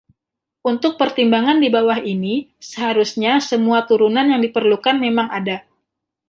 Untuk pertimbangan di bawah ini, seharusnya semua turunan yang diperlukan memang ada.